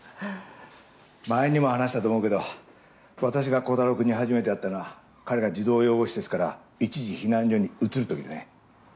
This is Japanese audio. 前にも話したと思うけど私がコタローくんに初めて会ったのは彼が児童養護施設から一時避難所に移る時でね。